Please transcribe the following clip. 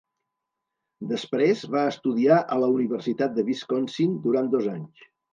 Després va estudiar a la Universitat de Wisconsin durant dos anys.